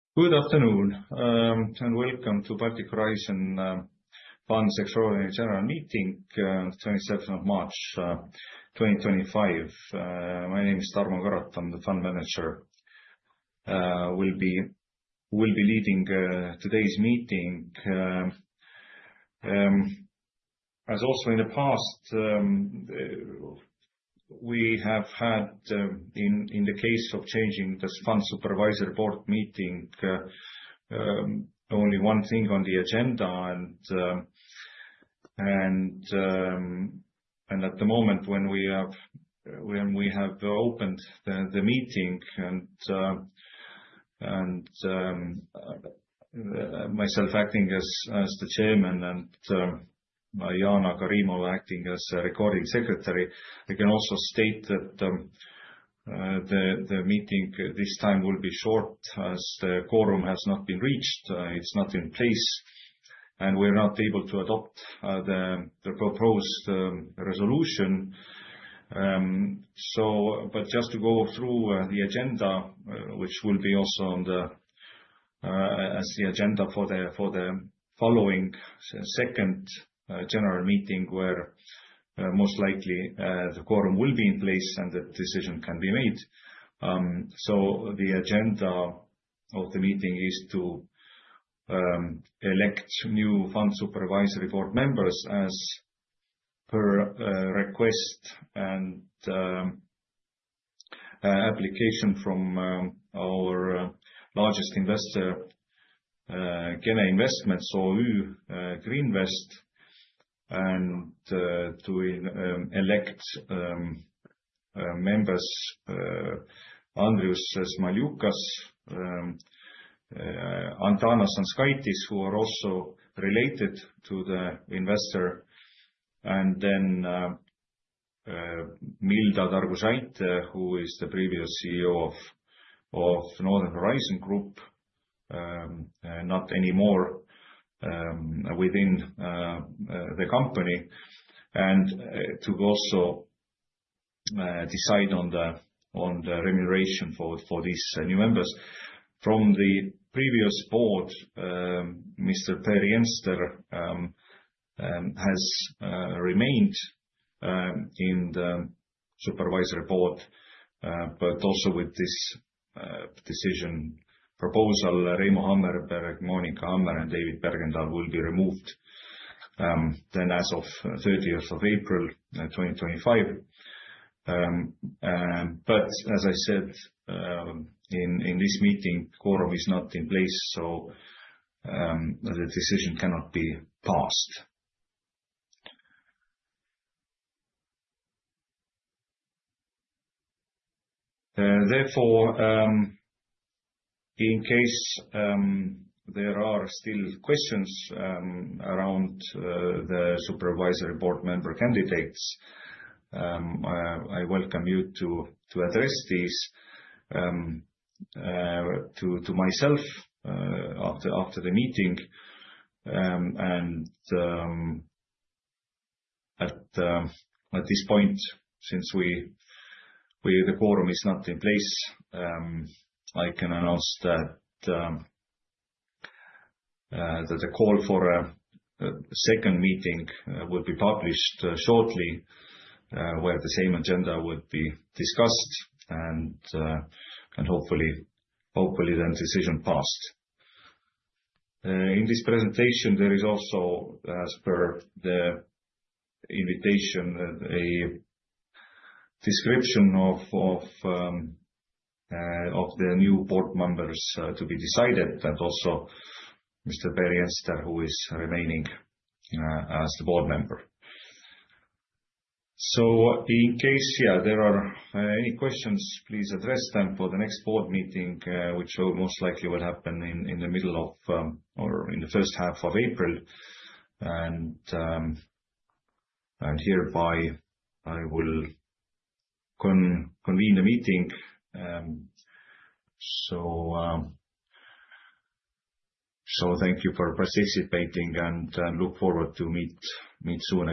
Good afternoon, and welcome to the Baltic Horizon Fund's Extraordinary General Meeting on the 27th of March 2025. My name is Tarmo Karotam, the fund manager. I will be leading today's meeting. As also in the past, we have had, in the case of changing the Fund Supervisory Board meeting, only one thing on the agenda. At the moment when we have opened the meeting, and myself acting as the chairman, and Jana Karimova acting as a recording secretary, I can also state that the meeting this time will be short as the quorum has not been reached. It's not in place, and we're not able to adopt the proposed resolution. Just to go through the agenda, which will be also on the agenda for the following second general meeting where most likely the quorum will be in place and the decision can be made. The agenda of the meeting is to elect new Fund Supervisory Board members as per request and application from our largest investor, Kena Investments OÜ, and Greenvest, and to elect members Andrius Smaliukas, Antanas Anskaitis, who are also related to the investor, and then Milda Dargužaitė, who is the previous CEO of Northern Horizon Group, not anymore within the company, and to also decide on the remuneration for these new members. From the previous board, Mr. Per Moller has remained in the Supervisory Board, but also with this decision proposal, Reimo Hammerberg and David Bergendahl will be removed then as of 30th of April 2025. But as I said, in this meeting, quorum is not in place, so the decision cannot be passed. Therefore, in case there are still questions around the Supervisory Board member candidates, I welcome you to address these to myself after the meeting. And at this point, since the quorum is not in place, I can announce that the call for a second meeting will be published shortly where the same agenda would be discussed and hopefully then decision passed. In this presentation, there is also, as per the invitation, a description of the new board members to be decided, and also Mr. Per Moller, who is remaining as the board member. So in case there are any questions, please address them for the next board meeting, which most likely will happen in the middle of or in the first half of April. And hereby, I will convene the meeting. So thank you for participating and look forward to meet soon.